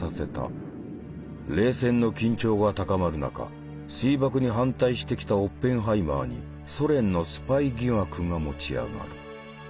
冷戦の緊張が高まる中水爆に反対してきたオッペンハイマーにソ連のスパイ疑惑が持ち上がる。